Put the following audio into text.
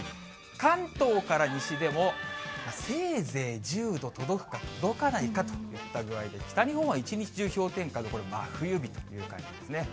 関東から西でも、せいぜい１０度届くか届かないかといった具合で、北日本は一日中氷点下で、真冬日という感じですね。